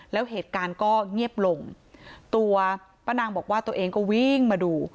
แล้วเหตุการณ์ก็เงียบลงตัวป้านางบอกว่าตัวเองก็วิ่งมาดู